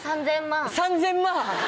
３０００万！